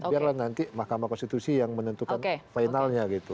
biarlah nanti mahkamah konstitusi yang menentukan finalnya gitu